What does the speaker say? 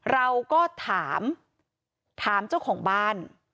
เราก็ถามถามเจ้าของบ้าน